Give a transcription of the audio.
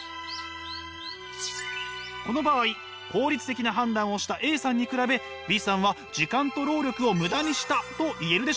この場合効率的な判断をしたＡさんに比べＢさんは時間と労力をムダにしたと言えるでしょうか？